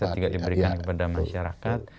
dan akses juga diberikan kepada masyarakat